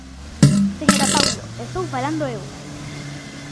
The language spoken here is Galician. Señora Paulo, estou falando eu.